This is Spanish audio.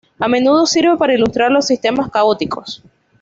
A menudo sirve para ilustrar los sistemas caóticos.